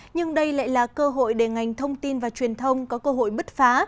nhưng đây lại là cơ hội để ngành thông tin và truyền thông có cơ hội bứt phá